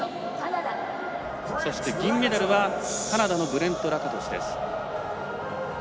そして銀メダルはカナダのブレント・ラカトシュです。